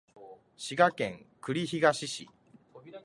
滋賀県栗東市